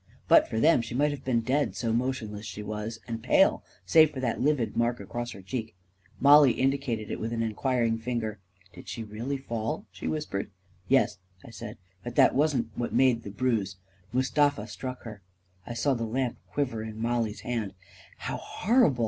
But for them, she might have been dead, so motionless she was and pale, save for that livid mark across her cheek. Mollie indicated it with an enquiring finger. " Did she really fall? " she whispered. " Yes," I said ;" but that wasn't what made the bruise. Mustafa struck her." I saw the lamp quiver in Mollie's hand. " How horrible